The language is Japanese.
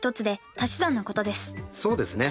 そうですね。